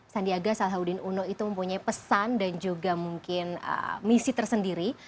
sandiaga salahuddin uno itu mempunyai pesan dan juga mungkin misi tersendiri